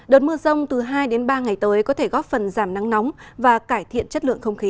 đợt mưa rông từ hai đến ba ngày tới có thể góp phần giảm nắng nóng và cải thiện chất lượng không khí